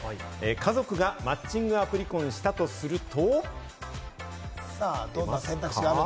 家族がマッチングアプリ婚したとすると？